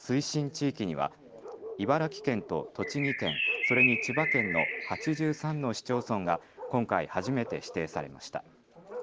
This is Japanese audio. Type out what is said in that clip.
地域には茨城県と栃木県、それに千葉県の８３の市町村が今回、初めて指定されました。